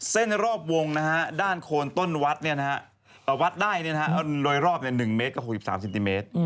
เส้นรอบวงด้านโคนต้นวัดวัดได้โดยรอบ๑เมตรกับ๖๓เซนติเมตร